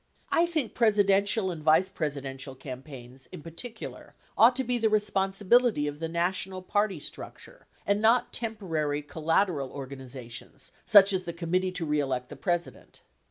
I think Presidential and Vice Presidential campaigns in particniar ought to be the responsibility of the national party struc ture and not temporary, collateral organizations such as the 'Commit tee To Re Elect the President.